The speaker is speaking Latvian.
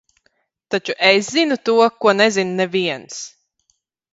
Taču es zinu to, ko nezina neviens.